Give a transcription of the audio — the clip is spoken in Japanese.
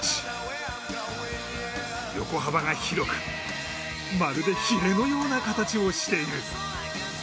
横幅が広く、まるでひれのような形をしている。